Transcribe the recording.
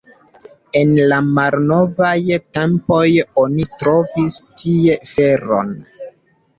En la malnovaj tempoj oni trovis tie feron.